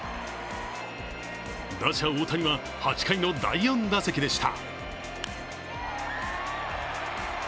打者・大谷は８回の第４打席でした。